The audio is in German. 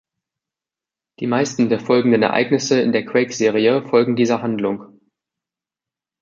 Die meisten der folgenden Ereignisse in der „Quake“-Serie folgen dieser Handlung.